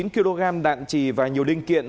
một mươi chín kg đạn trì và nhiều linh kiện